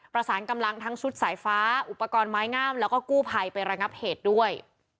ประสานกำลังทั้งชุดสายฟ้าอุปกรณ์ไม้งามแล้วก็กู้ภัยไประงับเหตุด้วย